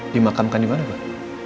dimakamkan dimana pak